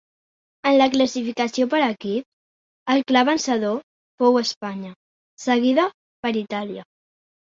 En la classificació per equips el clar vencedor fou Espanya, seguida per Itàlia.